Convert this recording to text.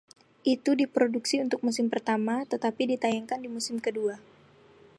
Itu diproduksi untuk musim pertama, tetapi ditayangkan di musim kedua.